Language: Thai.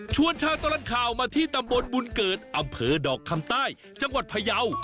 ชาวตลอดข่าวมาที่ตำบลบุญเกิดอำเภอดอกคำใต้จังหวัดพยาว